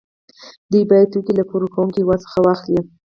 دوی باید توکي له پور ورکوونکي هېواد څخه واخلي